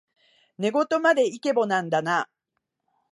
寝言までイケボなんだな